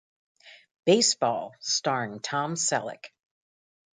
Baseball starring Tom Selleck.